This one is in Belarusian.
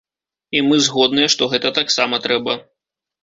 І мы згодныя, што гэта таксама трэба.